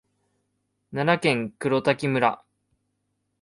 奈良県黒滝村